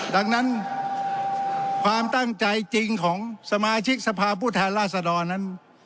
ดังนั้นความตั้งใจจริงของสมาชิกสภาพผู้แทนราษดรนั้น